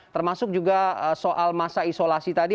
termasuk juga soal masa isolasi tadi